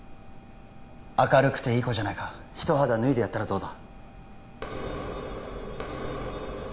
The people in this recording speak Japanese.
明るくていい子じゃないか一肌脱いでやったらどうだ？